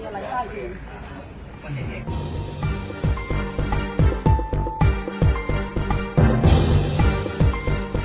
ไม่ใช่คนทำอ่ะ